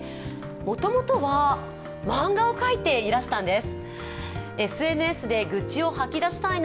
もともとは漫画を描いていらしたんです。